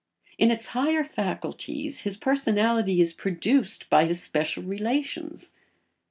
In its higher faculties his personality is produced by his special relations.